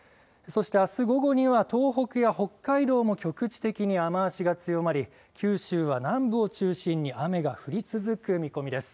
そしてあす午後には東北や北海道も局地的に雨足が強まり九州は南部を中心に雨が降り続く見込みです。